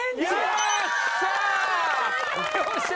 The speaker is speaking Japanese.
よっしゃー！